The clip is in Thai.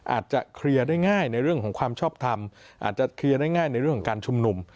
อาจจะเคลียร์ได้ง่ายในเรื่องของความชอบทำอาจจะเคลียร์ได้ง่ายในเรื่องของการชุมนุม